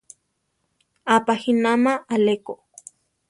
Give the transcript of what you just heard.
Apajínama aleko.